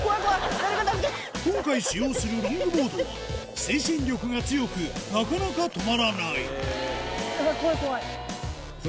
今回使用するロングボードは推進力が強くなかなか止まらないあっあっあっあっあっ！